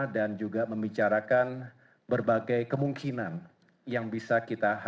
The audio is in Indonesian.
dan juga membicarakan berbagai kemungkinan yang bisa kita hadapi ke depan